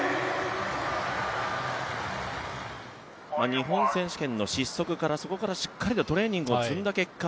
日本選手権の失速から、そこからしっかりとトレーニングを積んだ結果